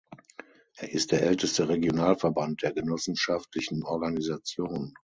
Er ist der älteste Regionalverband der genossenschaftlichen Organisation.